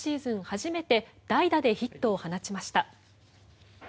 初めて代打でヒットを放ちました。